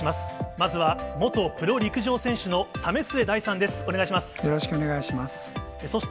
まずは、元プロ陸上選手の為末大さんです。